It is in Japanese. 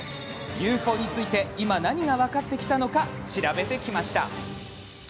ＵＦＯについて今、何が分かってきたのか調べてきました。